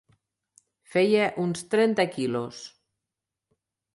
Feia uns trenta quilos.